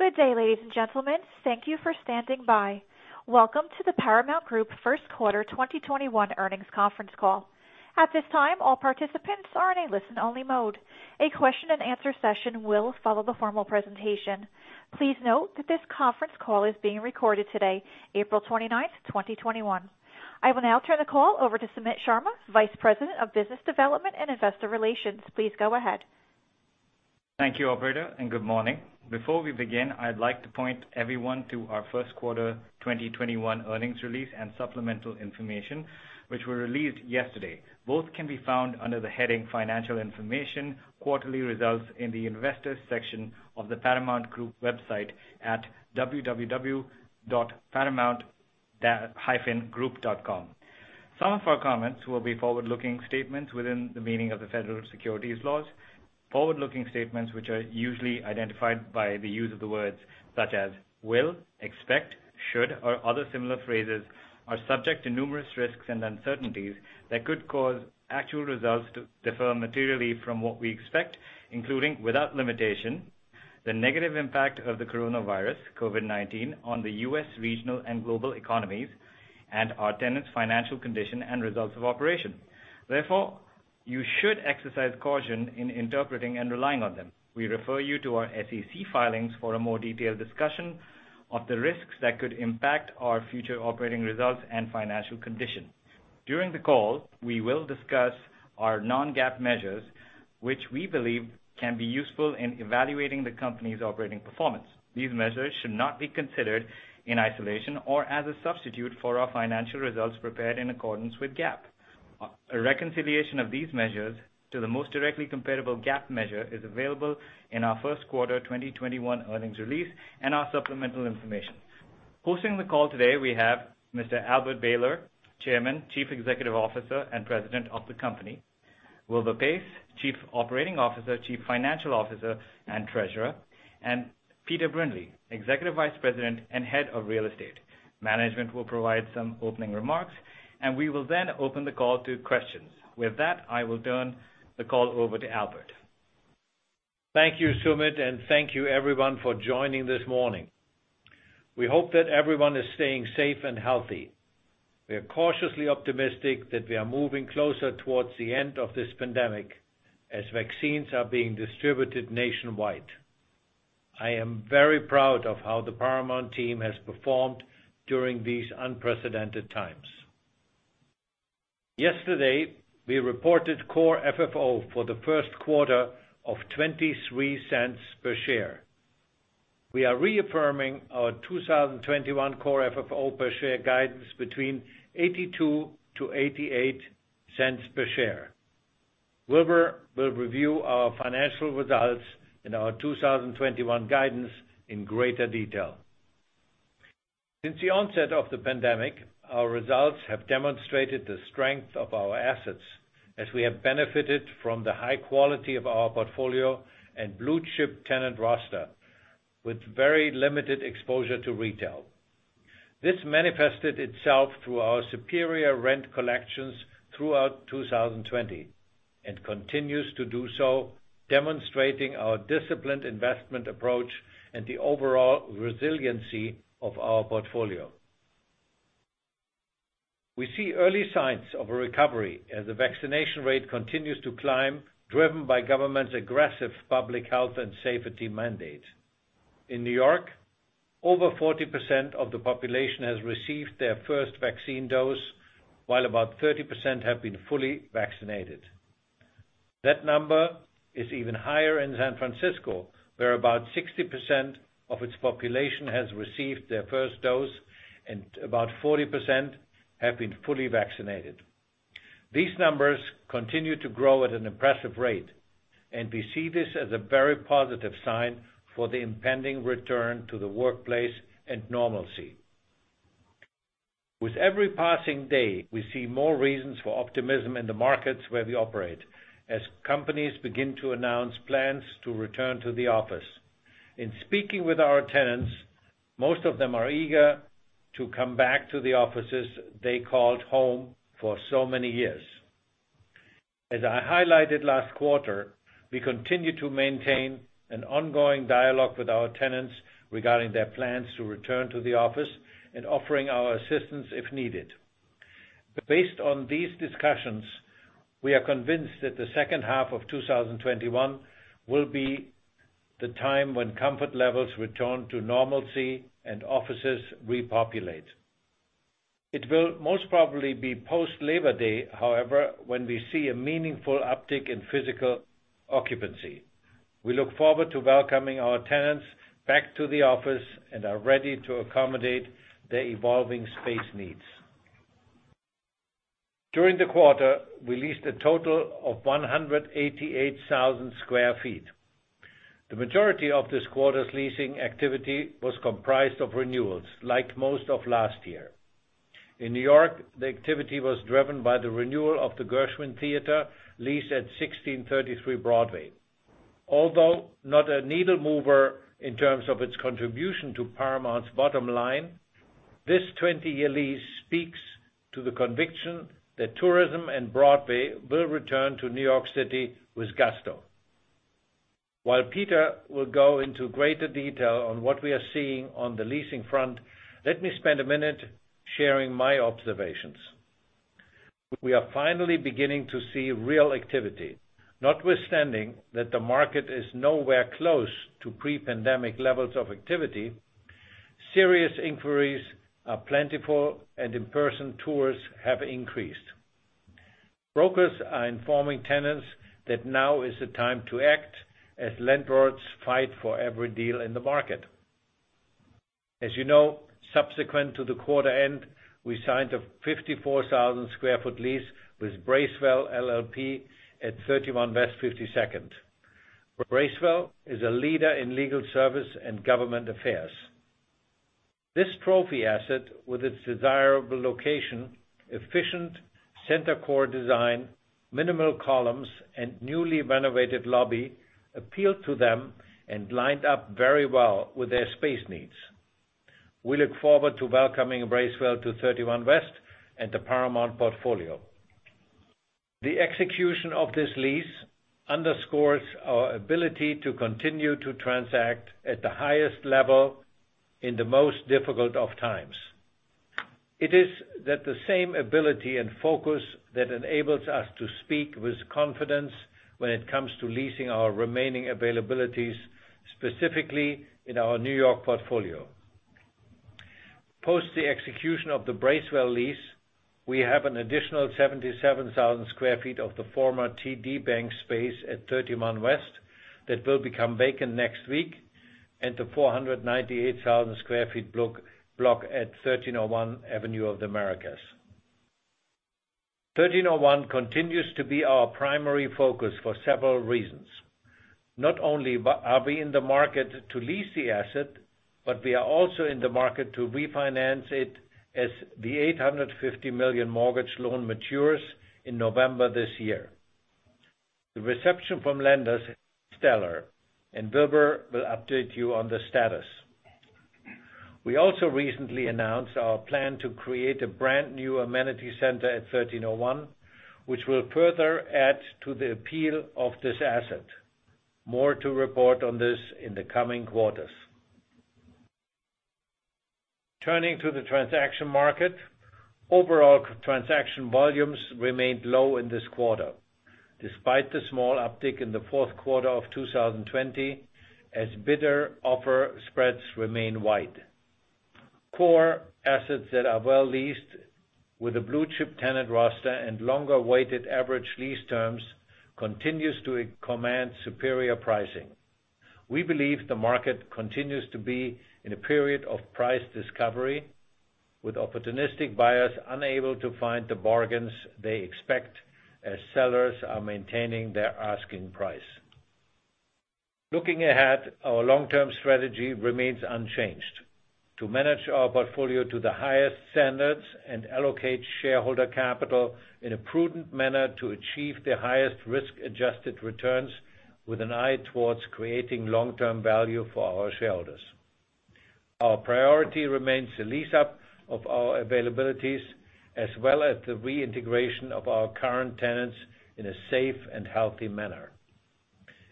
Good day, ladies and gentlemen. Thank you for standing by. Welcome to the Paramount Group first quarter 2021 earnings conference call. At this time, all participants are in a listen-only mode. A question and answer session will follow the formal presentation. Please note that this conference call is being recorded today, April 29th, 2021. I will now turn the call over to Sumit Sharma, Vice President of Business Development and Investor Relations. Please go ahead. Thank you, operator, and good morning. Before we begin, I'd like to point everyone to our first quarter 2021 earnings release and supplemental information, which were released yesterday. Both can be found under the heading Financial Information, Quarterly Results in the Investors section of the Paramount Group website at www.paramount-group.com. Some of our comments will be forward-looking statements within the meaning of the federal securities laws. Forward-looking statements, which are usually identified by the use of the words such as "will," "expect," "should," or other similar phrases, are subject to numerous risks and uncertainties that could cause actual results to differ materially from what we expect, including, without limitation, the negative impact of the coronavirus, COVID-19, on the U.S. regional and global economies, and our tenants' financial condition and results of operation. Therefore, you should exercise caution in interpreting and relying on them. We refer you to our SEC filings for a more detailed discussion of the risks that could impact our future operating results and financial conditions. During the call, we will discuss our non-GAAP measures, which we believe can be useful in evaluating the company's operating performance. These measures should not be considered in isolation or as a substitute for our financial results prepared in accordance with GAAP. A reconciliation of these measures to the most directly comparable GAAP measure is available in our first quarter 2021 earnings release and our supplemental information. Hosting the call today, we have Mr. Albert Behler, Chairman, Chief Executive Officer, and President of the company. Wilbur Paes, Chief Operating Officer, Chief Financial Officer, and Treasurer, and Peter Brindley, Executive Vice President and Head of Real Estate. Management will provide some opening remarks, and we will then open the call to questions. With that, I will turn the call over to Albert Behler. Thank you, Sumit, and thank you everyone for joining this morning. We hope that everyone is staying safe and healthy. We are cautiously optimistic that we are moving closer towards the end of this pandemic as vaccines are being distributed nationwide. I am very proud of how the Paramount team has performed during these unprecedented times. Yesterday, we reported Core FFO for the first quarter of $0.23 per share. We are reaffirming our 2021 Core FFO per share guidance between $0.82-$0.88 per share. Wilbur will review our financial results and our 2021 guidance in greater detail. Since the onset of the pandemic, our results have demonstrated the strength of our assets as we have benefited from the high quality of our portfolio and blue-chip tenant roster with very limited exposure to retail. This manifested itself through our superior rent collections throughout 2020 and continues to do so, demonstrating our disciplined investment approach and the overall resiliency of our portfolio. We see early signs of a recovery as the vaccination rate continues to climb, driven by governments' aggressive public health and safety mandates. In New York, over 40% of the population has received their first vaccine dose, while about 30% have been fully vaccinated. That number is even higher in San Francisco, where about 60% of its population has received their first dose and about 40% have been fully vaccinated. These numbers continue to grow at an impressive rate, and we see this as a very positive sign for the impending return to the workplace and normalcy. With every passing day, we see more reasons for optimism in the markets where we operate as companies begin to announce plans to return to the office. In speaking with our tenants, most of them are eager to come back to the offices they called home for so many years. As I highlighted last quarter, we continue to maintain an ongoing dialogue with our tenants regarding their plans to return to the office and offering our assistance if needed. Based on these discussions, we are convinced that the second half of 2021 will be the time when comfort levels return to normalcy and offices repopulate. It will most probably be post Labor Day, however, when we see a meaningful uptick in physical occupancy. We look forward to welcoming our tenants back to the office and are ready to accommodate their evolving space needs. During the quarter, we leased a total of 188,000 sq ft. The majority of this quarter's leasing activity was comprised of renewals, like most of last year. In New York, the activity was driven by the renewal of the Gershwin Theatre leased at 1633 Broadway. Although not a needle mover in terms of its contribution to Paramount's bottom line. This 20-year lease speaks to the conviction that tourism and Broadway will return to New York City with gusto. While Peter will go into greater detail on what we are seeing on the leasing front, let me spend a minute sharing my observations. We are finally beginning to see real activity. Notwithstanding that the market is nowhere close to pre-pandemic levels of activity, serious inquiries are plentiful, and in-person tours have increased. Brokers are informing tenants that now is the time to act, as landlords fight for every deal in the market. As you know, subsequent to the quarter end, we signed a 54,000 sq ft lease with Bracewell LLP at 31 West 52nd. Bracewell is a leader in legal service and government affairs. This trophy asset, with its desirable location, efficient center core design, minimal columns, and newly renovated lobby appealed to them and lined up very well with their space needs. We look forward to welcoming Bracewell to 31 West and the Paramount portfolio. The execution of this lease underscores our ability to continue to transact at the highest level in the most difficult of times. It is that the same ability and focus that enables us to speak with confidence when it comes to leasing our remaining availabilities, specifically in our New York portfolio. Post the execution of the Bracewell lease, we have an additional 77,000 sq ft of the former TD Bank space at 31 West that will become vacant next week, and the 498,000 sq ft block at 1301 Avenue of the Americas. 1301 continues to be our primary focus for several reasons. Not only are we in the market to lease the asset, but we are also in the market to refinance it as the $850 million mortgage loan matures in November this year. The reception from lenders is stellar, and Wilbur will update you on the status. We also recently announced our plan to create a brand new amenity center at 1301, which will further add to the appeal of this asset. More to report on this in the coming quarters. Turning to the transaction market, overall transaction volumes remained low in this quarter, despite the small uptick in the fourth quarter of 2020, as bidder offer spreads remain wide. Core assets that are well leased with a blue chip tenant roster and longer weighted average lease terms continues to command superior pricing. We believe the market continues to be in a period of price discovery, with opportunistic buyers unable to find the bargains they expect as sellers are maintaining their asking price. Looking ahead, our long-term strategy remains unchanged. To manage our portfolio to the highest standards and allocate shareholder capital in a prudent manner to achieve the highest risk-adjusted returns with an eye towards creating long-term value for our shareholders. Our priority remains the lease up of our availabilities, as well as the reintegration of our current tenants in a safe and healthy manner.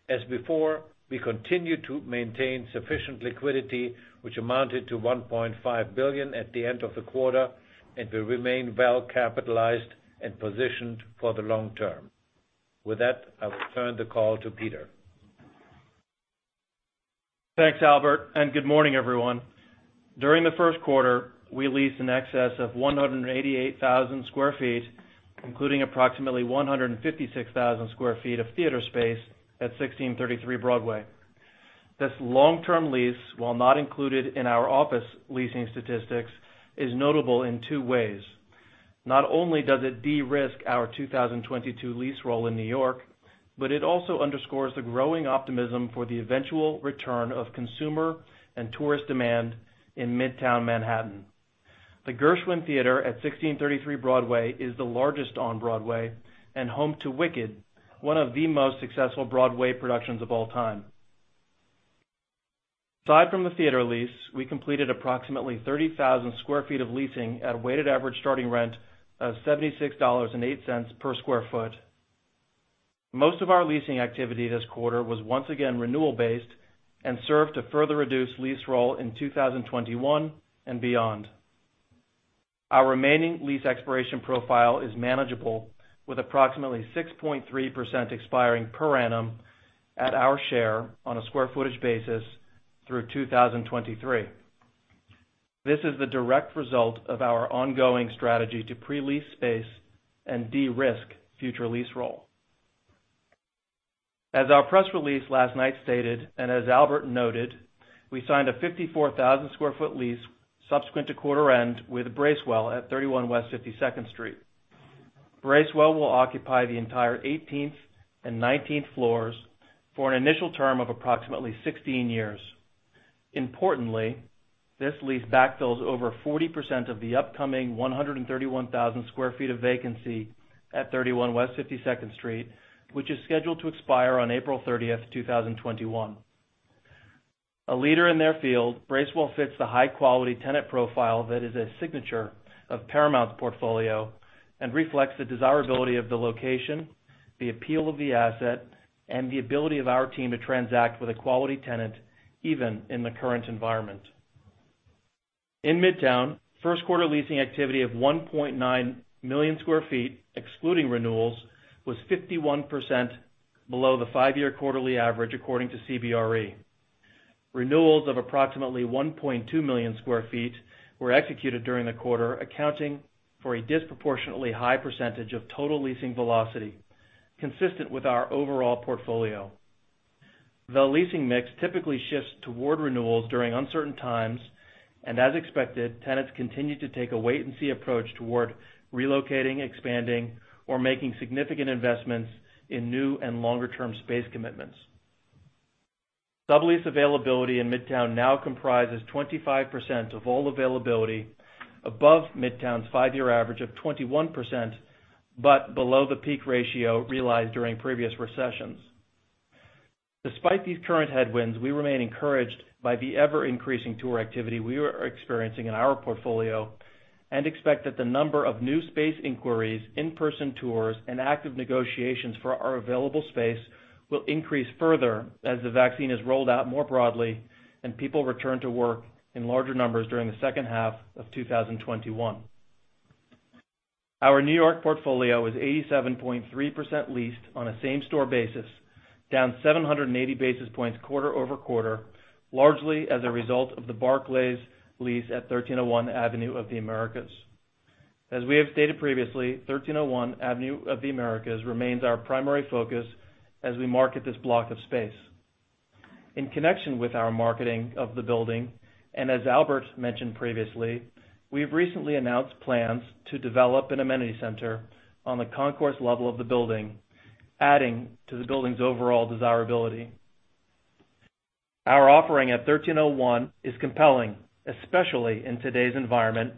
As before, we continue to maintain sufficient liquidity, which amounted to $1.5 billion at the end of the quarter, and we remain well capitalized and positioned for the long term. With that, I will turn the call to Peter. Thanks, Albert, and good morning, everyone. During the first quarter, we leased in excess of 188,000 sq ft, including approximately 156,000 sq ft of theater space at 1633 Broadway. This long-term lease, while not included in our office leasing statistics, is notable in two ways. Not only does it de-risk our 2022 lease roll in New York, but it also underscores the growing optimism for the eventual return of consumer and tourist demand in Midtown Manhattan. The Gershwin Theatre at 1633 Broadway is the largest on Broadway and home to "Wicked," one of the most successful Broadway productions of all time. Aside from the theater lease, we completed approximately 30,000 sq ft of leasing at a weighted average starting rent of $76.08 per sq ft. Most of our leasing activity this quarter was once again renewal-based and served to further reduce lease roll in 2021 and beyond. Our remaining lease expiration profile is manageable, with approximately 6.3% expiring per annum at our share on a square footage basis through 2023. This is the direct result of our ongoing strategy to pre-lease space and de-risk future lease roll. As our press release last night stated, and as Albert noted, we signed a 54,000 sq ft lease subsequent to quarter end with Bracewell at 31 West 52nd Street. Bracewell will occupy the entire 18th and 19th floors for an initial term of approximately 16 years. Importantly, this lease backfills over 40% of the upcoming 131,000 sq ft of vacancy at 31 West 52nd Street, which is scheduled to expire on April 30, 2021. A leader in their field, Bracewell fits the high-quality tenant profile that is a signature of Paramount's portfolio and reflects the desirability of the location, the appeal of the asset, and the ability of our team to transact with a quality tenant, even in the current environment. In Midtown, first quarter leasing activity of 1.9 million sq ft, excluding renewals, was 51% below the five-year quarterly average, according to CBRE. Renewals of approximately 1.2 million sq ft were executed during the quarter, accounting for a disproportionately high percentage of total leasing velocity, consistent with our overall portfolio. The leasing mix typically shifts toward renewals during uncertain times, and as expected, tenants continued to take a wait and see approach toward relocating, expanding, or making significant investments in new and longer-term space commitments. Sublease availability in Midtown now comprises 25% of all availability above Midtown's five-year average of 21%, but below the peak ratio realized during previous recessions. Despite these current headwinds, we remain encouraged by the ever-increasing tour activity we are experiencing in our portfolio and expect that the number of new space inquiries, in-person tours, and active negotiations for our available space will increase further as the vaccine is rolled out more broadly and people return to work in larger numbers during the second half of 2021. Our New York portfolio is 87.3% leased on a same-store basis, down 780 basis points QoQ, largely as a result of the Barclays lease at 1301 Avenue of the Americas. As we have stated previously, 1301 Avenue of the Americas remains our primary focus as we market this block of space. In connection with our marketing of the building, and as Albert mentioned previously, we've recently announced plans to develop an amenity center on the concourse level of the building, adding to the building's overall desirability. Our offering at 1301 is compelling, especially in today's environment,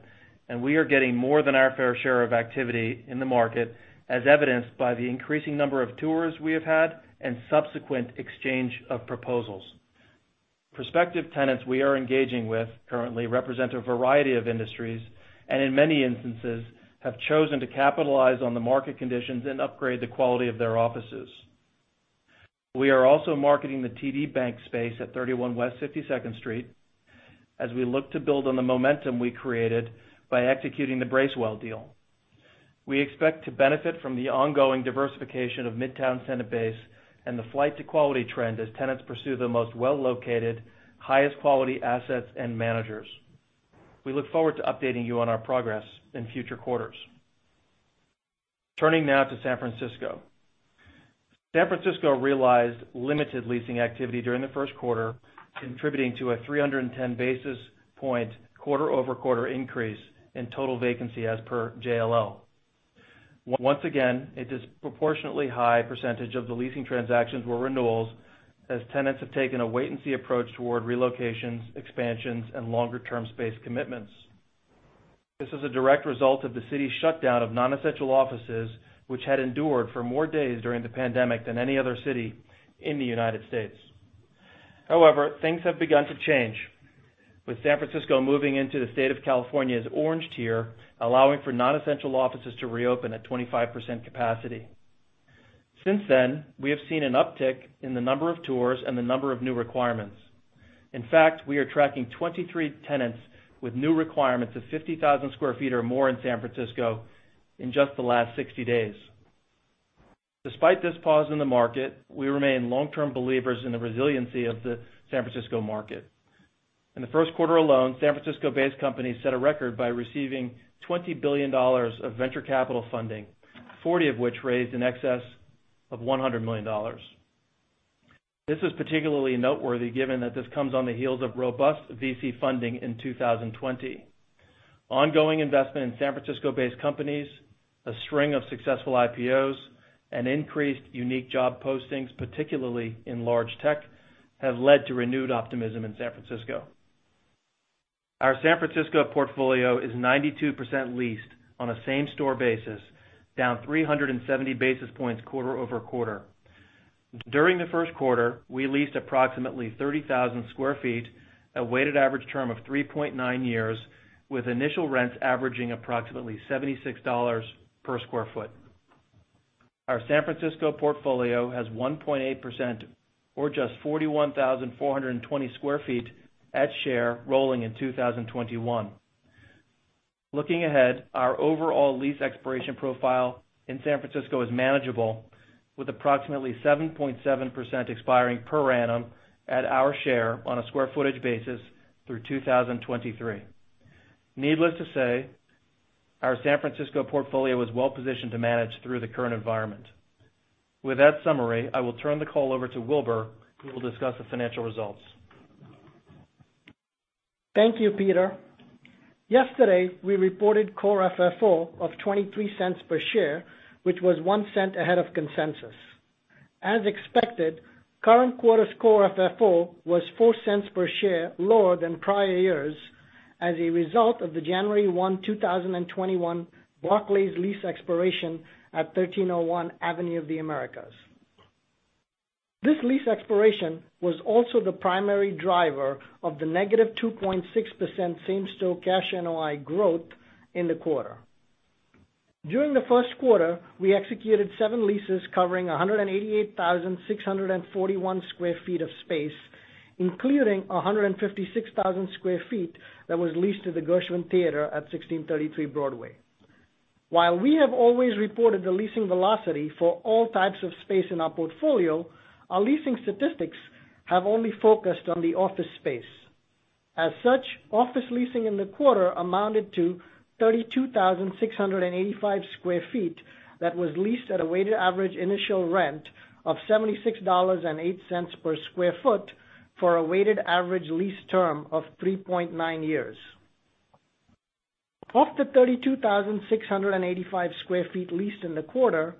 and we are getting more than our fair share of activity in the market, as evidenced by the increasing number of tours we have had and subsequent exchange of proposals. Prospective tenants we are engaging with currently represent a variety of industries, and in many instances, have chosen to capitalize on the market conditions and upgrade the quality of their offices. We are also marketing the TD Bank space at 31 West 52nd Street as we look to build on the momentum we created by executing the Bracewell deal. We expect to benefit from the ongoing diversification of Midtown's tenant base and the flight to quality trend as tenants pursue the most well-located, highest quality assets and managers. We look forward to updating you on our progress in future quarters. Turning now to San Francisco. San Francisco realized limited leasing activity during the first quarter, contributing to a 310 basis point QoQ increase in total vacancy as per JLL. Once again, a disproportionately high percentage of the leasing transactions were renewals as tenants have taken a wait and see approach toward relocations, expansions, and longer-term space commitments. This is a direct result of the city's shutdown of non-essential offices, which had endured for more days during the pandemic than any other city in the United States. However, things have begun to change, with San Francisco moving into the state of California's orange tier, allowing for non-essential offices to reopen at 25% capacity. Since then, we have seen an uptick in the number of tours and the number of new requirements. In fact, we are tracking 23 tenants with new requirements of 50,000 sq ft or more in San Francisco in just the last 60 days. Despite this pause in the market, we remain long-term believers in the resiliency of the San Francisco market. In the first quarter alone, San Francisco-based companies set a record by receiving $20 billion of venture capital funding, 40 of which raised in excess of $100 million. This is particularly noteworthy given that this comes on the heels of robust VC funding in 2020. Ongoing investment in San Francisco-based companies, a string of successful IPOs, and increased unique job postings, particularly in large tech, have led to renewed optimism in San Francisco. Our San Francisco portfolio is 92% leased on a same-store basis, down 370 basis points QoQ. During the first quarter, we leased approximately 30,000 sq ft, a weighted average term of 3.9 years, with initial rents averaging approximately $76 per sq ft. Our San Francisco portfolio has 1.8%, or just 41,420 sq ft at share rolling in 2021. Looking ahead, our overall lease expiration profile in San Francisco is manageable, with approximately 7.7% expiring per annum at our share on a square footage basis through 2023. Needless to say, our San Francisco portfolio is well positioned to manage through the current environment. With that summary, I will turn the call over to Wilbur, who will discuss the financial results. Thank you, Peter. Yesterday, we reported Core FFO of $0.23 per share, which was $0.01 ahead of consensus. As expected, current quarter's Core FFO was $0.04 per share lower than prior years. As a result of the January 1, 2021 Barclays lease expiration at 1301 Avenue of the Americas. This lease expiration was also the primary driver of the -2.6% same-store cash NOI growth in the quarter. During the first quarter, we executed seven leases covering 188,641 sq ft of space, including 156,000 sq ft that was leased to the Gershwin Theatre at 1633 Broadway. While we have always reported the leasing velocity for all types of space in our portfolio, our leasing statistics have only focused on the office space. As such, office leasing in the quarter amounted to 32,685 sq ft that was leased at a weighted average initial rent of $76.08 per sq ft for a weighted average lease term of 3.9 years. Of the 32,685 sq ft leased in the quarter,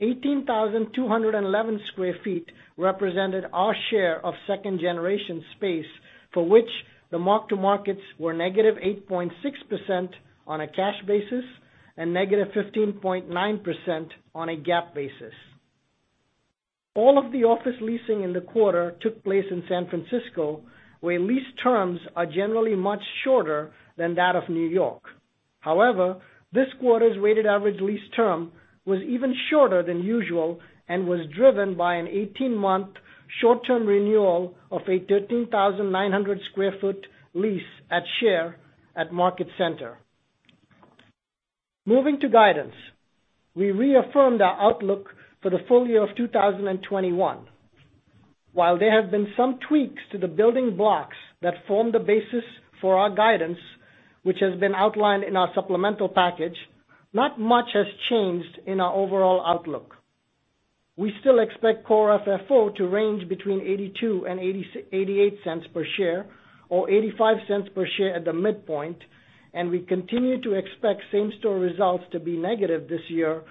18,211 sq ft represented our share of second generation space for which the mark-to-markets were -8.6% on a cash basis and -15.9% on a GAAP basis. All of the office leasing in the quarter took place in San Francisco, where lease terms are generally much shorter than that of New York. However, this quarter's weighted average lease term was even shorter than usual and was driven by an 18-month short-term renewal of a 13,900 sq ft lease at Share at Market Center. Moving to guidance, we reaffirmed our outlook for the full year of 2021. While there have been some tweaks to the building blocks that form the basis for our guidance, which has been outlined in our supplemental package, not much has changed in our overall outlook. We still expect Core FFO to range between $0.82 and $0.88 per share or $0.85 per share at the midpoint, and we continue to expect same-store results to be negative this year,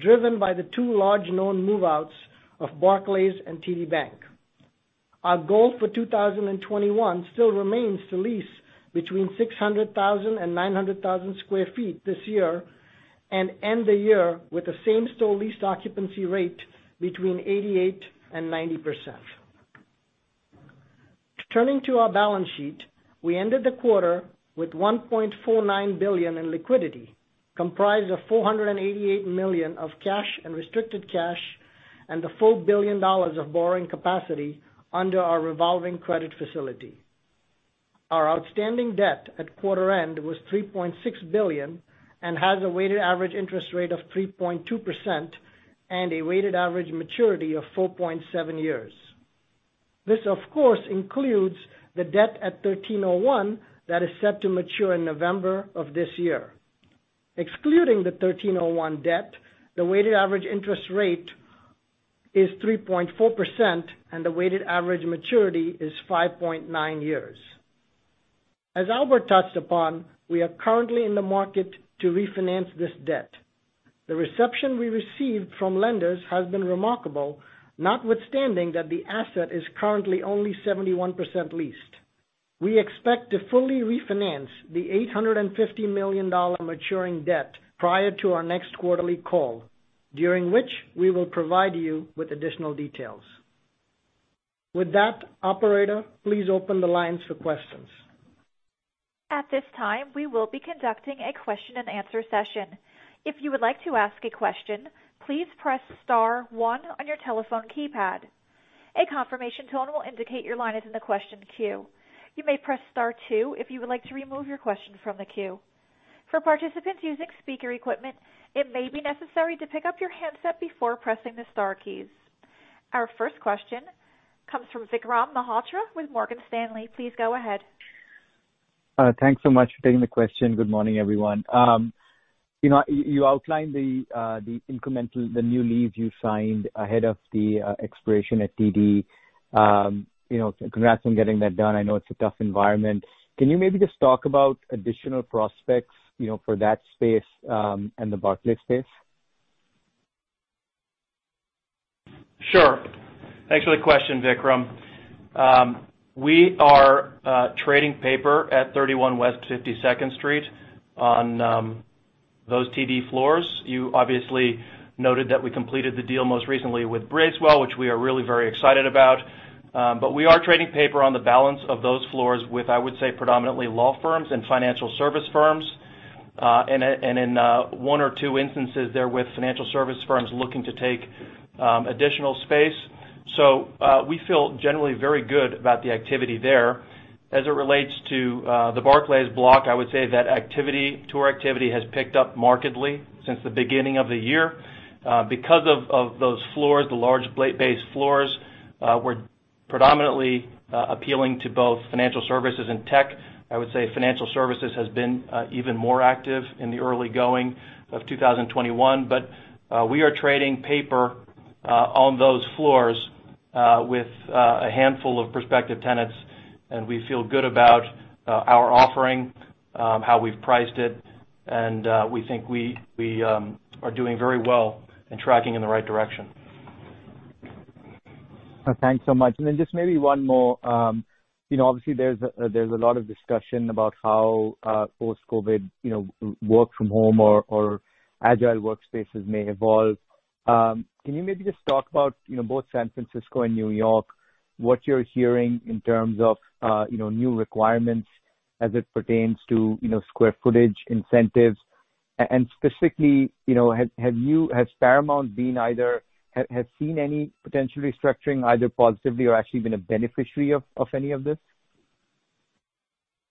driven by the two large known move-outs of Barclays and TD Bank. Our goal for 2021 still remains to lease between 600,000 sq ft and 900,000 sq ft this year and end the year with the same-store leased occupancy rate between 88% and 90%. Turning to our balance sheet, we ended the quarter with $1.49 billion in liquidity, comprised of $488 million of cash and restricted cash and the full $1 billion of borrowing capacity under our Revolving Credit Facility. Our outstanding debt at quarter end was $3.6 billion and has a weighted average interest rate of 3.2% and a weighted average maturity of 4.7 years. This, of course, includes the debt at 1301 that is set to mature in November of this year. Excluding the 1301 debt, the weighted average interest rate is 3.4%, and the weighted average maturity is 5.9 years. As Albert touched upon, we are currently in the market to refinance this debt. The reception we received from lenders has been remarkable, notwithstanding that the asset is currently only 71% leased. We expect to fully refinance the $850 million maturing debt prior to our next quarterly call, during which we will provide you with additional details. With that, operator, please open the lines for questions. At this time, we will be conducting a question-and-answer session. If you would like to ask a question, please press star one on your telephone keypad. A confirmation tone will indicate your line is in the question queue. You may press star two if you would like to remove your question from the queue. For participants using speaker equipment, it may be necessary to pick up your handset before pressing the star keys. Our first question comes from Vikram Malhotra with Morgan Stanley. Please go ahead. Thanks so much for taking the question. Good morning, everyone. You outlined the new lease you signed ahead of the expiration at TD. Congrats on getting that done. I know it's a tough environment. Can you maybe just talk about additional prospects for that space and the Barclays space? Sure. Thanks for the question, Vikram. We are trading paper at 31 West 52nd Street on those TD floors. You obviously noted that we completed the deal most recently with Bracewell, which we are really very excited about. We are trading paper on the balance of those floors with, I would say, predominantly law firms and financial service firms. In one or two instances, they're with financial service firms looking to take additional space. We feel generally very good about the activity there. As it relates to the Barclays block, I would say that tour activity has picked up markedly since the beginning of the year. Because of those floors, the large blade base floors, we're predominantly appealing to both financial services and tech. I would say financial services has been even more active in the early going of 2021. We are trading paper on those floors with a handful of prospective tenants, and we feel good about our offering, how we've priced it, and we think we are doing very well and tracking in the right direction. Thanks so much. Then just maybe one more. Obviously, there's a lot of discussion about how post-COVID work from home or agile workspaces may evolve. Can you maybe just talk about, both San Francisco and New York, what you're hearing in terms of new requirements as it pertains to square footage incentives? Specifically, has Paramount seen any potential restructuring, either positively or actually been a beneficiary of any of this?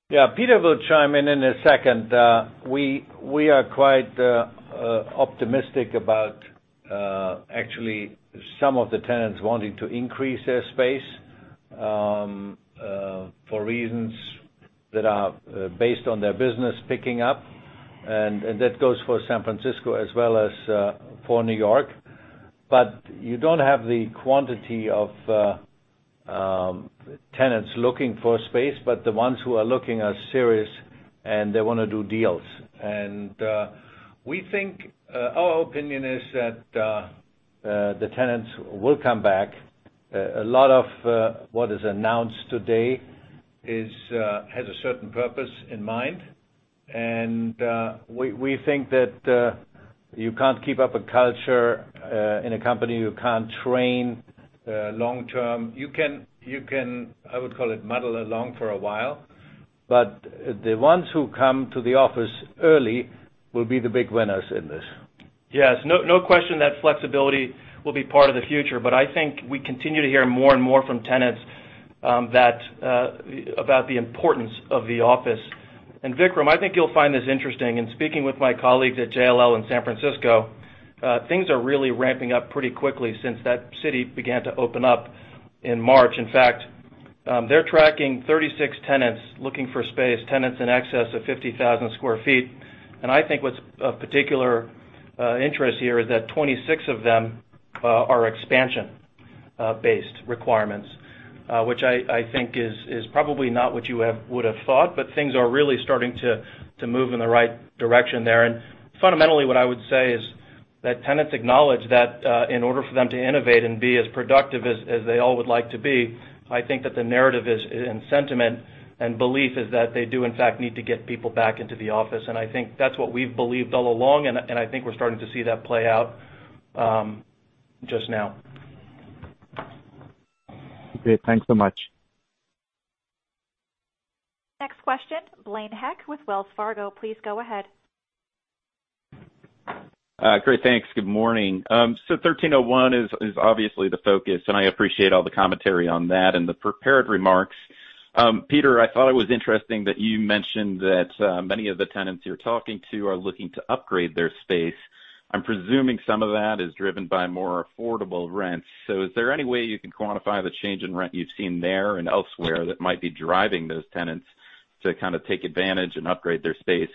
Yeah. Peter will chime in a second. We are quite optimistic about actually some of the tenants wanting to increase their space, for reasons that are based on their business picking up. That goes for San Francisco as well as for New York. You don't have the quantity of tenants looking for space, but the ones who are looking are serious, and they want to do deals. Our opinion is that the tenants will come back. A lot of what is announced today has a certain purpose in mind, and we think that you can't keep up a culture in a company, you can't train long-term. You can, I would call it, muddle along for a while, but the ones who come to the office early will be the big winners in this. Yes. No question that flexibility will be part of the future, but I think we continue to hear more and more from tenants about the importance of the office. Vikram, I think you'll find this interesting. In speaking with my colleagues at JLL in San Francisco, things are really ramping up pretty quickly since that city began to open up in March. In fact, they're tracking 36 tenants looking for space, tenants in excess of 50,000 sq ft. I think what's of particular interest here is that 26 of them are expansion-based requirements, which I think is probably not what you would have thought, but things are really starting to move in the right direction there. Fundamentally, what I would say is that tenants acknowledge that, in order for them to innovate and be as productive as they all would like to be, I think that the narrative and sentiment and belief is that they do in fact need to get people back into the office. I think that's what we've believed all along, and I think we're starting to see that play out just now. Great. Thanks so much. Next question, Blaine Heck with Wells Fargo. Please go ahead. Great. Thanks. Good morning. 1301 is obviously the focus, and I appreciate all the commentary on that and the prepared remarks. Peter, I thought it was interesting that you mentioned that many of the tenants you're talking to are looking to upgrade their space. I'm presuming some of that is driven by more affordable rents. Is there any way you can quantify the change in rent you've seen there and elsewhere that might be driving those tenants to kind of take advantage and upgrade their space?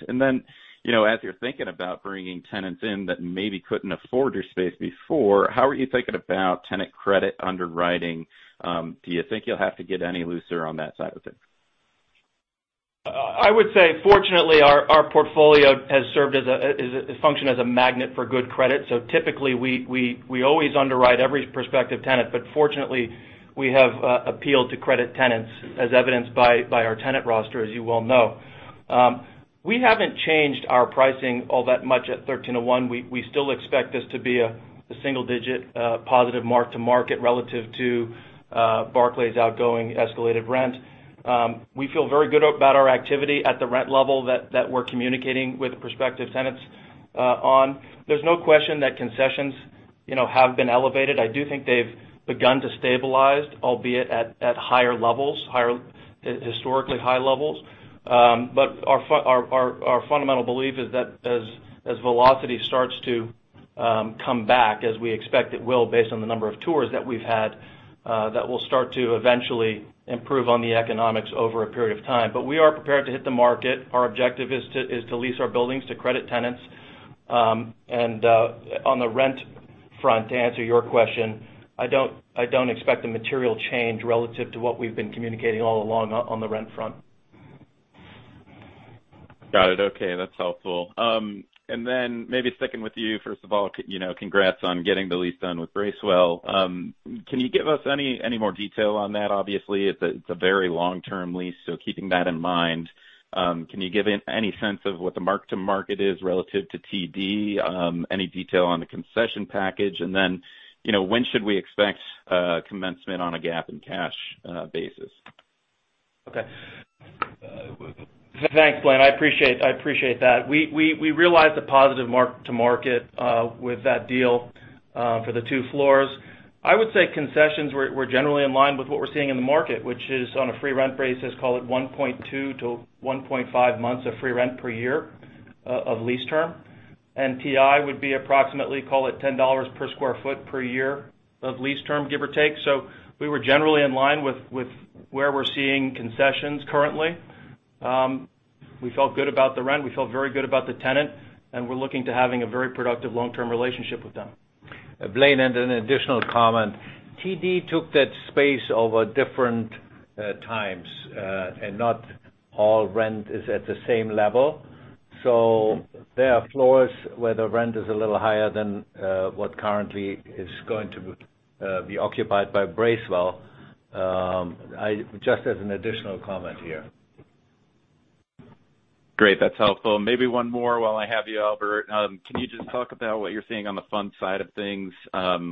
As you're thinking about bringing tenants in that maybe couldn't afford your space before, how are you thinking about tenant credit underwriting? Do you think you'll have to get any looser on that side of things? I would say, fortunately, our portfolio has functioned as a magnet for good credit. Typically, we always underwrite every prospective tenant, but fortunately, we have appealed to credit tenants, as evidenced by our tenant roster, as you well know. We haven't changed our pricing all that much at 1301. We still expect this to be a single digit positive mark-to-market relative to Barclays' outgoing escalated rent. We feel very good about our activity at the rent level that we're communicating with prospective tenants on. There's no question that concessions have been elevated. I do think they've begun to stabilize, albeit at higher levels, historically high levels. Our fundamental belief is that as velocity starts to come back, as we expect it will, based on the number of tours that we've had, that we'll start to eventually improve on the economics over a period of time. We are prepared to hit the market. Our objective is to lease our buildings to credit tenants. On the rent front, to answer your question, I don't expect a material change relative to what we've been communicating all along on the rent front. Got it. Okay. That's helpful. Maybe sticking with you, first of all, congrats on getting the lease done with Bracewell. Can you give us any more detail on that? It's a very long-term lease, keeping that in mind, can you give any sense of what the mark-to-market is relative to TD? Any detail on the concession package? When should we expect commencement on a GAAP and cash basis? Okay. Thanks, Blaine. I appreciate that. We realized a positive mark-to-market with that deal for the two floors. I would say concessions were generally in line with what we're seeing in the market, which is on a free rent basis, call it 1.2-1.5 months of free rent per year of lease term. TI would be approximately, call it $10 per sq ft per year of lease term, give or take. We were generally in line with where we're seeing concessions currently. We felt good about the rent, we felt very good about the tenant, and we're looking to having a very productive long-term relationship with them. Blaine, an additional comment. TD took that space over different times, and not all rent is at the same level. So there are floors where the rent is a little higher than what currently is going to be occupied by Bracewell, just as an additional comment here. Great. That's helpful. Maybe one more while I have you, Albert. Can you just talk about what you're seeing on the fund side of things?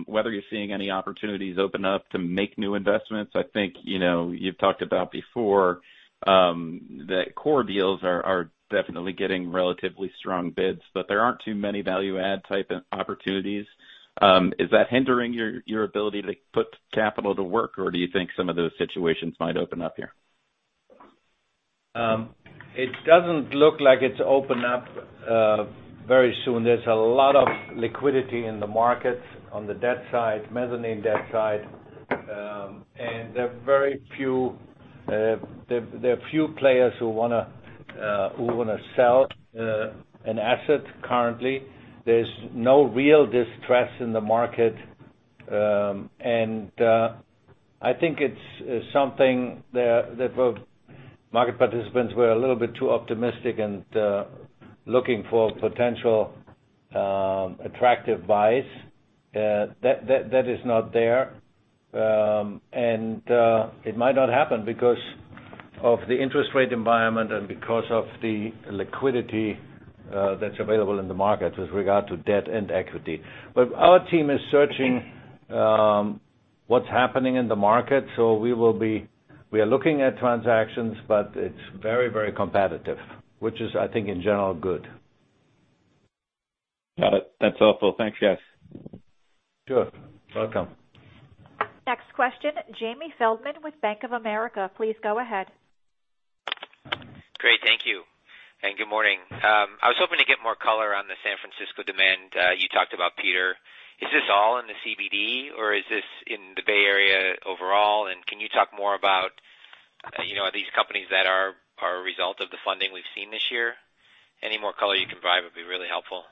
Whether you're seeing any opportunities open up to make new investments. I think you've talked about before that core deals are definitely getting relatively strong bids, but there aren't too many value add type opportunities. Is that hindering your ability to put capital to work, or do you think some of those situations might open up here? It doesn't look like it's opened up very soon. There's a lot of liquidity in the market on the debt side, mezzanine debt side. There are few players who want to sell an asset currently. There's no real distress in the market. I think it's something that both market participants were a little bit too optimistic and looking for potential attractive buys. That is not there. It might not happen because of the interest rate environment and because of the liquidity that's available in the market with regard to debt and equity. Our team is searching what's happening in the market. We are looking at transactions, but it's very competitive, which is, I think, in general, good. Got it. That's helpful. Thanks, guys. Sure. Welcome. Next question, Jamie Feldman with Bank of America. Please go ahead. Great. Thank you. Good morning. I was hoping to get more color on the San Francisco demand you talked about, Peter. Is this all in the CBD, or is this in the Bay Area overall? Can you talk more about these companies that are a result of the funding we've seen this year? Any more color you can provide would be really helpful.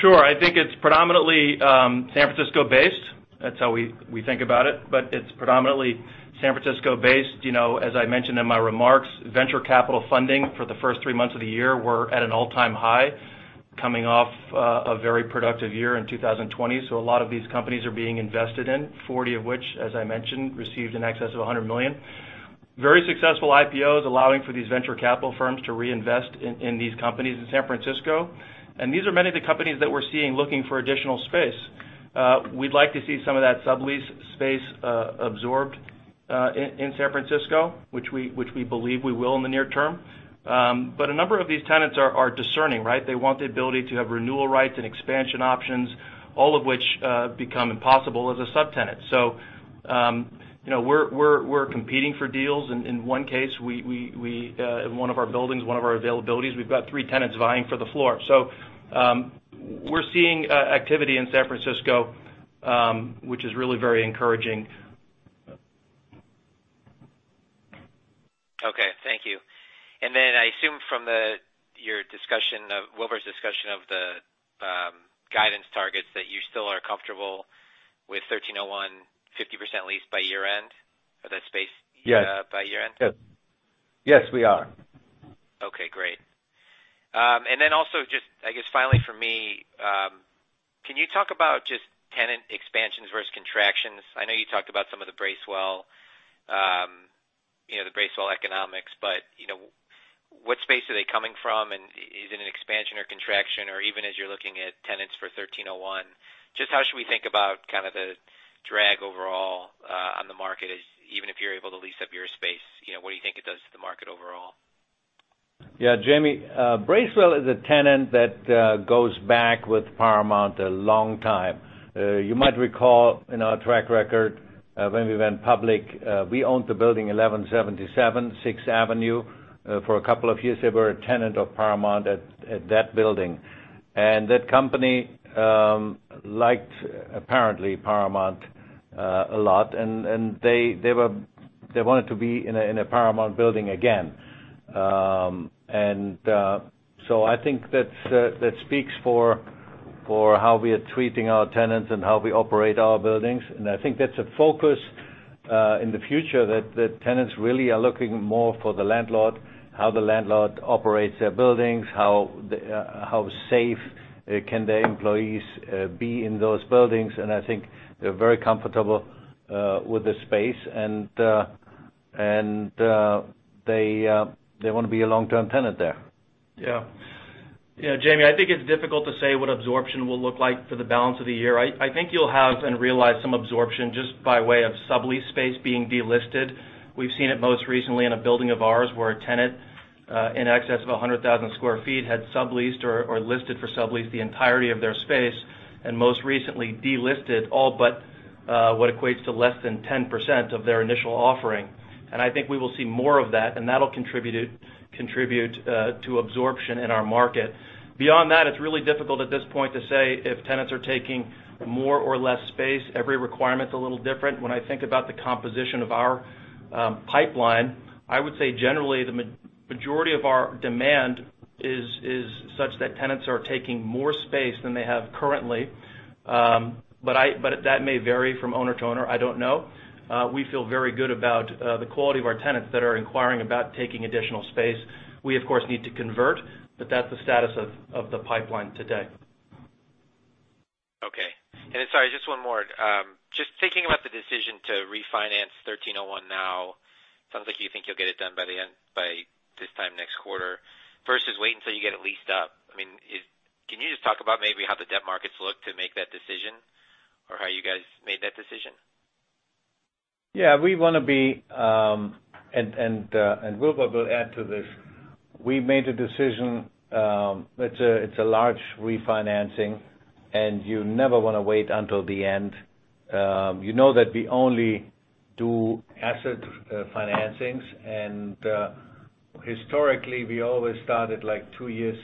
Sure. I think it's predominantly San Francisco-based. That's how we think about it. It's predominantly San Francisco-based. As I mentioned in my remarks, venture capital funding for the first three months of the year were at an all-time high, coming off a very productive year in 2020. A lot of these companies are being invested in, 40 of which, as I mentioned, received in excess of $100 million. Very successful IPOs allowing for these venture capital firms to reinvest in these companies in San Francisco. These are many of the companies that we're seeing looking for additional space. We'd like to see some of that sublease space absorbed in San Francisco, which we believe we will in the near term. A number of these tenants are discerning, right. They want the ability to have renewal rights and expansion options, all of which become impossible as a subtenant. We're competing for deals. In one case, in one of our buildings, one of our availabilities, we've got three tenants vying for the floor. We're seeing activity in San Francisco, which is really very encouraging. Okay. Thank you. I assume from Wilbur's discussion of the guidance targets that you still are comfortable with 1301, 50% leased by year-end? Yes. By year-end? Yes. Yes, we are. Okay, great. Then also just, I guess finally from me, can you talk about just tenant expansions versus contractions? I know you talked about some of the Bracewell economics, what space are they coming from, and is it an expansion or contraction, or even as you're looking at tenants for 1301, just how should we think about kind of the drag overall on the market, even if you're able to lease up your space? What do you think it does to the market overall? Yeah. Jamie, Bracewell is a tenant that goes back with Paramount a long time. You might recall in our track record when we went public, we owned the building 1177 6th Avenue. For a couple of years, they were a tenant of Paramount at that building. That company liked, apparently, Paramount a lot, and they wanted to be in a Paramount building again. I think that speaks for how we are treating our tenants and how we operate our buildings. I think that's a focus in the future that tenants really are looking more for the landlord, how the landlord operates their buildings, how safe can their employees be in those buildings. I think they're very comfortable with the space, and they want to be a long-term tenant there. Jamie, I think it's difficult to say what absorption will look like for the balance of the year. I think you'll have and realize some absorption just by way of sublease space being delisted. We've seen it most recently in a building of ours where a tenant in excess of 100,000 sq ft had subleased or listed for sublease the entirety of their space, and most recently delisted all but what equates to less than 10% of their initial offering. I think we will see more of that, and that'll contribute to absorption in our market. Beyond that, it's really difficult at this point to say if tenants are taking more or less space. Every requirement's a little different. When I think about the composition of our pipeline, I would say generally, the majority of our demand is such that tenants are taking more space than they have currently. That may vary from owner to owner, I don't know. We feel very good about the quality of our tenants that are inquiring about taking additional space. We, of course, need to convert. That's the status of the pipeline today. Okay. Sorry, just one more. Just thinking about the decision to refinance 1301 now, it sounds like you think you'll get it done by this time next quarter, versus waiting till you get it leased up. Can you just talk about maybe how the debt markets look to make that decision, or how you guys made that decision? Yeah, we want to be, and Wilbur will add to this. We made a decision. It's a large refinancing, and you never want to wait until the end. You know that we only do asset financings, and historically, we always started two years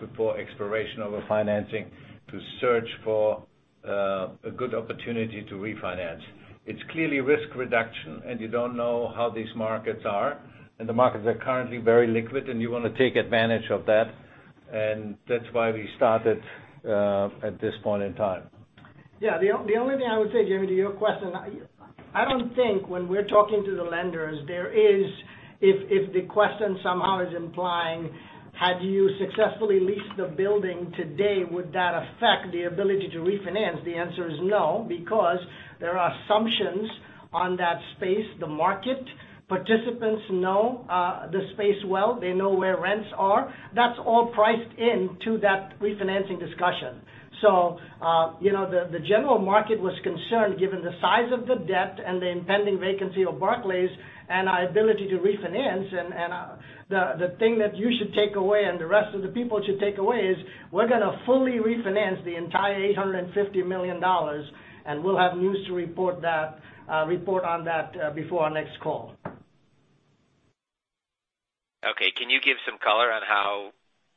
before expiration of a financing to search for a good opportunity to refinance. It's clearly risk reduction, and you don't know how these markets are, and the markets are currently very liquid, and you want to take advantage of that. That's why we started at this point in time. Yeah. The only thing I would say, Jamie, to your question, I don't think when we're talking to the lenders, there is, if the question somehow is implying, had you successfully leased the building today, would that affect the ability to refinance? The answer is no, because there are assumptions on that space. The market participants know the space well. They know where rents are. That's all priced into that refinancing discussion. The general market was concerned, given the size of the debt and the impending vacancy of Barclays and our ability to refinance, and the thing that you should take away and the rest of the people should take away is we're going to fully refinance the entire $850 million, and we'll have news to report on that before our next call. Okay. Can you give some color on how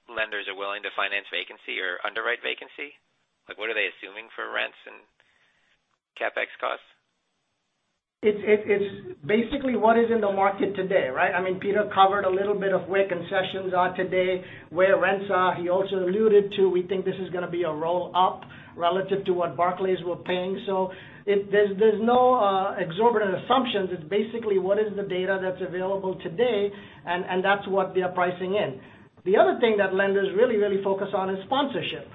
lenders are willing to finance vacancy or underwrite vacancy? Like, what are they assuming for rents and CapEx costs? It's basically what is in the market today, right? Peter covered a little bit of where concessions are today, where rents are. He also alluded to, we think this is going to be a roll-up relative to what Barclays were paying. There's no exorbitant assumptions. It's basically what is the data that's available today, and that's what they're pricing in. The other thing that lenders really focus on is sponsorship.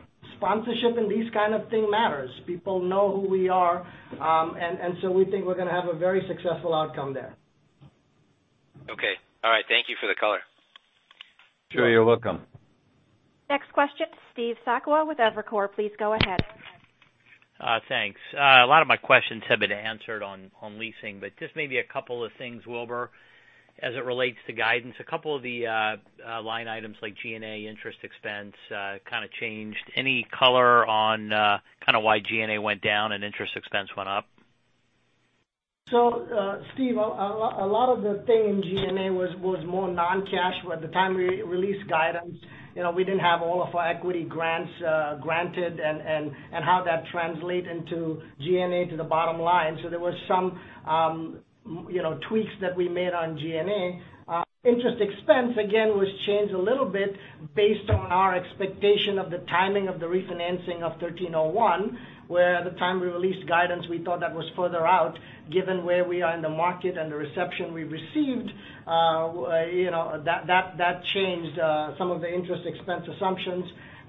Sponsorship in these kind of thing matters. People know who we are. We think we're going to have a very successful outcome there. Okay. All right. Thank you for the color. Sure, you're welcome. Next question, Steve Sakwa with Evercore, please go ahead. Thanks. A lot of my questions have been answered on leasing, but just maybe a couple of things, Wilbur, as it relates to guidance, a couple of the line items like G&A interest expense kind of changed. Any color on kind of why G&A went down and interest expense went up? Steve, a lot of the thing in G&A was more non-cash. At the time we released guidance, we didn't have all of our equity grants granted and how that translate into G&A to the bottom line. There was some tweaks that we made on G&A. Interest expense, again, was changed a little bit based on our expectation of the timing of the refinancing of 1301, where at the time we released guidance, we thought that was further out. Given where we are in the market and the reception we received, that changed some of the interest expense assumptions.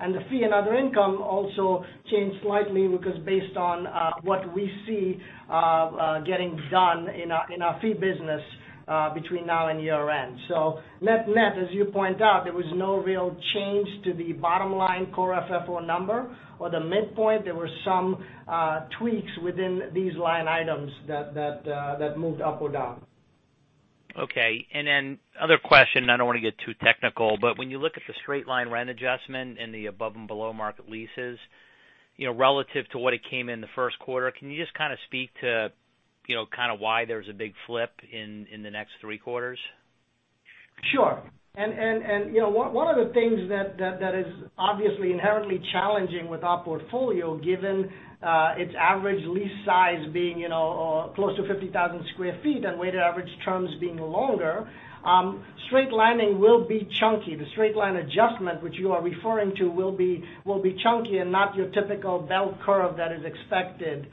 The fee and other income also changed slightly because based on what we see getting done in our fee business between now and year-end. Net-net, as you point out, there was no real change to the bottom line Core FFO number or the midpoint. There were some tweaks within these line items that moved up or down. Okay. Other question, I don't want to get too technical, but when you look at the straight-line rent adjustment and the above and below market leases, relative to what it came in the first quarter, can you just kind of speak to why there's a big flip in the next three quarters? Sure. One of the things that is obviously inherently challenging with our portfolio, given its average lease size being close to 50,000 sq ft and weighted average terms being longer, straight-lining will be chunky. The straight-line adjustment, which you are referring to, will be chunky and not your typical bell curve that is expected.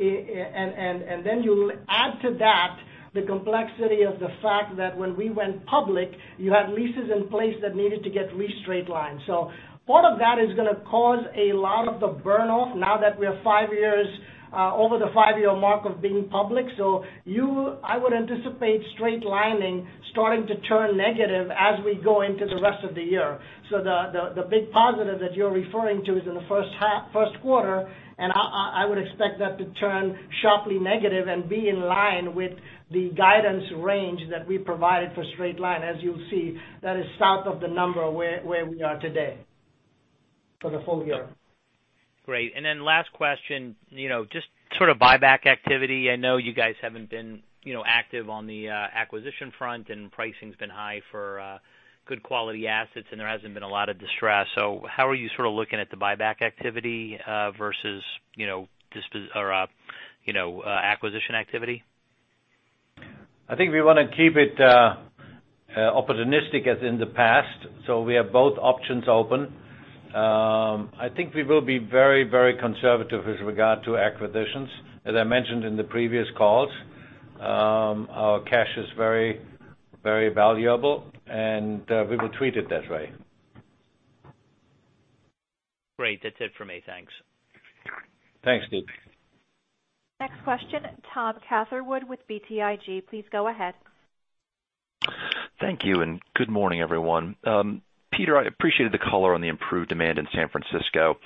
You add to that the complexity of the fact that when we went public, you had leases in place that needed to get re-straight-lined. Part of that is going to cause a lot of the burn-off now that we're over the five-year mark of being public. I would anticipate straight-lining starting to turn negative as we go into the rest of the year. The big positive that you're referring to is in the first quarter, and I would expect that to turn sharply negative and be in line with the guidance range that we provided for straight line. As you'll see, that is south of the number where we are today for the full year. Great. Last question, just sort of buyback activity. I know you guys haven't been active on the acquisition front and pricing's been high for good quality assets, and there hasn't been a lot of distress. How are you sort of looking at the buyback activity versus acquisition activity? I think we want to keep it opportunistic as in the past. We have both options open. I think we will be very conservative with regard to acquisitions. As I mentioned in the previous calls, our cash is very valuable, and we will treat it that way. Great. That's it for me. Thanks. Thanks, Steve. Next question, Thomas Catherwood with BTIG. Please go ahead. Thank you and good morning, everyone. Peter, I appreciated the color on the improved demand in San Francisco,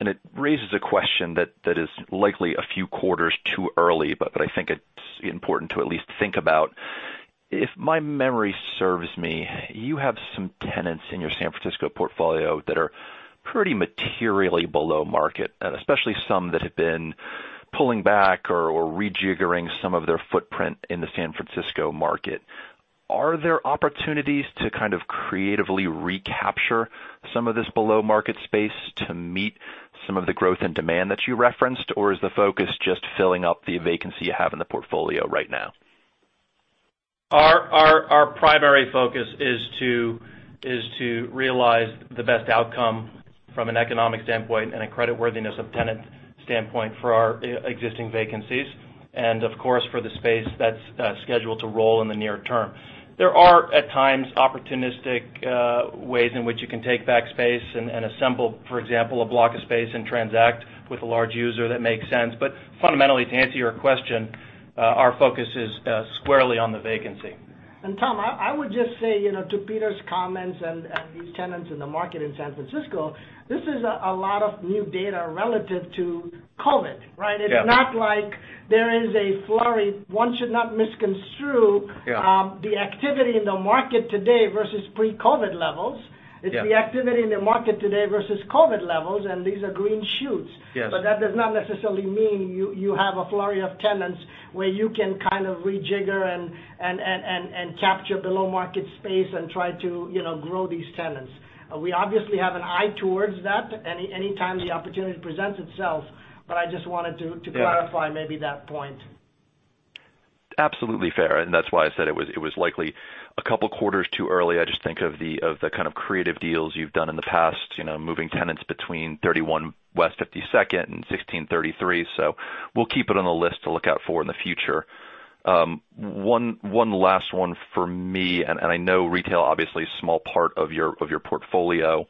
and it raises a question that is likely a few quarters too early, but I think it's important to at least think about. If my memory serves me, you have some tenants in your San Francisco portfolio that are pretty materially below market, and especially some that have been pulling back or rejiggering some of their footprint in the San Francisco market. Are there opportunities to kind of creatively recapture some of this below-market space to meet some of the growth and demand that you referenced, or is the focus just filling up the vacancy you have in the portfolio right now? Our primary focus is to realize the best outcome from an economic standpoint and a creditworthiness of tenant standpoint for our existing vacancies and, of course, for the space that's scheduled to roll in the near term. There are, at times, opportunistic ways in which you can take back space and assemble, for example, a block of space and transact with a large user that makes sense. Fundamentally, to answer your question, our focus is squarely on the vacancy. Tom, I would just say, to Peter's comments and these tenants in the market in San Francisco, this is a lot of new data relative to COVID, right? Yeah. It's not like there is a flurry. One should not misconstrue. Yeah. The activity in the market today versus pre-COVID levels. Yeah. It's the activity in the market today versus COVID levels, and these are green shoots. Yes. That does not necessarily mean you have a flurry of tenants where you can kind of rejigger and capture below-market space and try to grow these tenants. We obviously have an eye towards that, anytime the opportunity presents itself, but I just wanted to clarify maybe that point. Absolutely fair, that's why I said it was likely a couple of quarters too early. I just think of the kind of creative deals you've done in the past, moving tenants between 31 West 52nd and 1633. We'll keep it on the list to look out for in the future. One last one for me, I know retail obviously is a small part of your portfolio.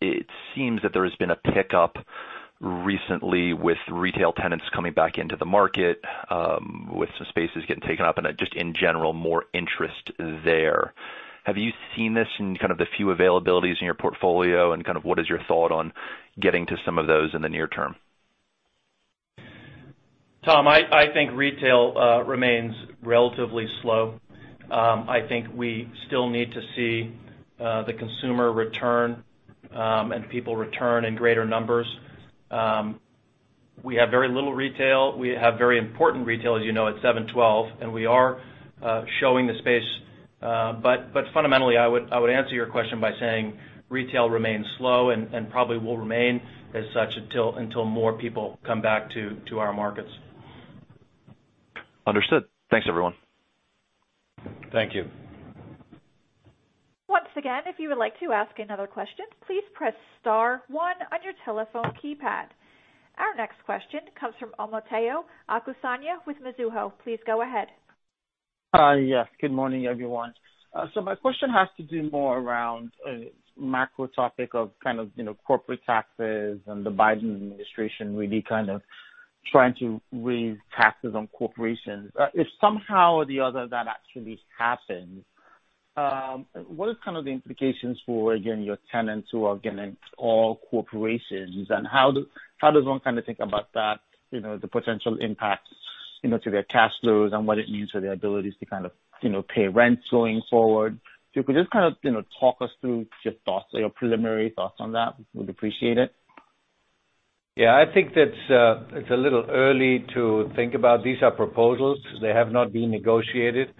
It seems that there has been a pickup recently with retail tenants coming back into the market, with some spaces getting taken up and just in general, more interest there. Have you seen this in kind of the few availabilities in your portfolio, and what is your thought on getting to some of those in the near term? Thomas, I think retail remains relatively slow. I think we still need to see the consumer return, and people return in greater numbers. We have very little retail. We have very important retail, as you know, at 712, and we are showing the space. Fundamentally, I would answer your question by saying retail remains slow and probably will remain as such until more people come back to our markets. Understood. Thanks, everyone. Thank you. Once again, if you would like to ask another question, please press star one on your telephone keypad. Our next question comes from Omotayo Okusanya with Mizuho. Please go ahead. Yes. Good morning, everyone. My question has to do more around macro topic of corporate taxes and the Biden administration really kind of trying to raise taxes on corporations. If somehow or the other that actually happens, what is kind of the implications for, again, your tenants who are getting all corporations, and how does one think about that, the potential impacts to their cash flows and what it means for their abilities to pay rents going forward? If you could just kind of talk us through thoughts or your preliminary thoughts on that, we'd appreciate it. Yeah, I think that it's a little early to think about. These are proposals. They have not been negotiated.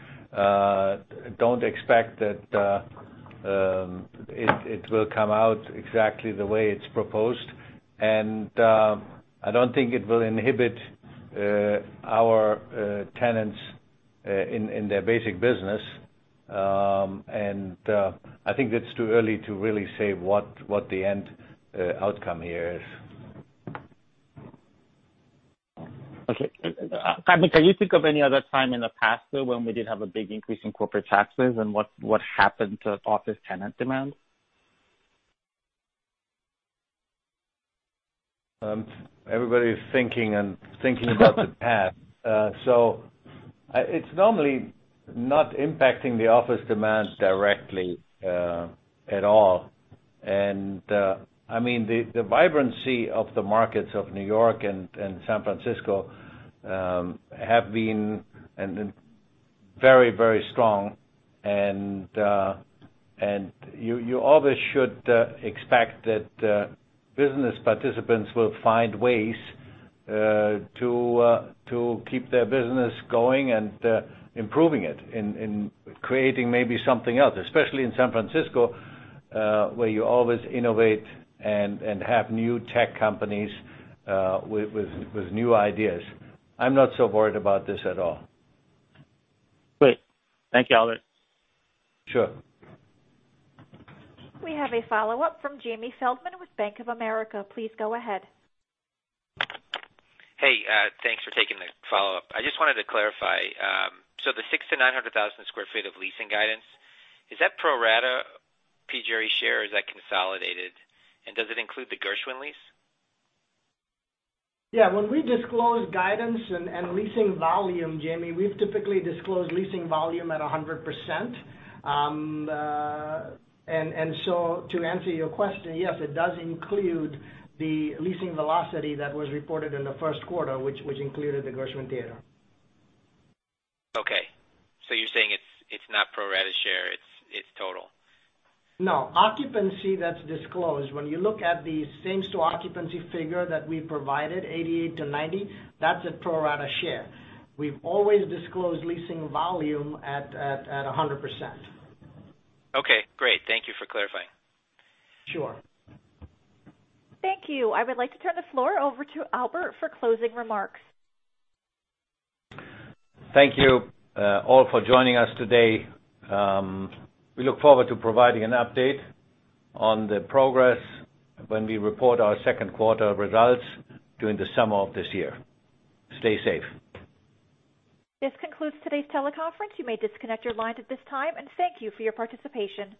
Don't expect that it will come out exactly the way it's proposed. I don't think it will inhibit our tenants in their basic business. I think it's too early to really say what the end outcome here is. Okay. Albert, can you think of any other time in the past, though, when we did have a big increase in corporate taxes and what happened to office tenant demand? Everybody is thinking about the past. It's normally not impacting the office demand directly at all. The vibrancy of the markets of New York and San Francisco have been very strong. You always should expect that business participants will find ways to keep their business going and improving it and creating maybe something else, especially in San Francisco, where you always innovate and have new tech companies with new ideas. I'm not so worried about this at all. Great. Thank you, Albert. Sure. We have a follow-up from Jamie Feldman with Bank of America. Please go ahead. Hey, thanks for taking the follow-up. I just wanted to clarify. The 600,000 sq ft-900,000 sq ft of leasing guidance, is that pro rata PGRE share or is that consolidated? Does it include the Gershwin lease? When we disclose guidance and leasing volume, Jamie, we've typically disclosed leasing volume at 100%. To answer your question, yes, it does include the leasing velocity that was reported in the first quarter, which included the Gershwin Theatre. Okay. You're saying it's not pro rata share, it's total? Occupancy that's disclosed. When you look at the same store occupancy figure that we provided, 88%-90%, that's a pro rata share. We've always disclosed leasing volume at 100%. Okay, great. Thank you for clarifying. Sure. Thank you. I would like to turn the floor over to Albert Behler for closing remarks. Thank you all for joining us today. We look forward to providing an update on the progress when we report our second quarter results during the summer of this year. Stay safe. This concludes today's teleconference. You may disconnect your lines at this time, and thank you for your participation.